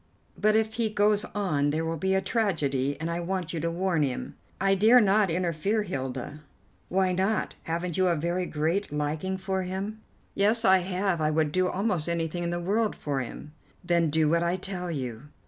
But if he goes on there will be a tragedy, and I want you to warn him." "I dare not interfere, Hilda." "Why not? Haven't you a very great liking for him?" "Yes, I have. I would do almost anything in the world for him." "Then do what I tell you."